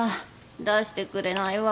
出してくれないわ。